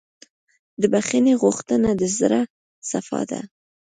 د بښنې غوښتنه د زړه صفا ده.